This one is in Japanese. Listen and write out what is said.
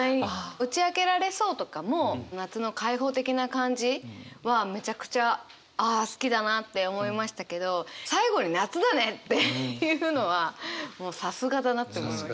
「打ちあけられそう」とかも夏の開放的な感じはめちゃくちゃああ好きだなって思いましたけど最後に「夏だね」っていうのはもうさすがだなって思いました。